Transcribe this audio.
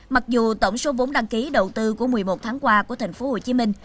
mặc dù tổng số vốn đăng ký đầu tư của một mươi một tháng qua của thành phố hồ chí minh